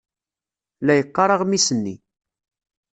La yeqqar aɣmis-nni.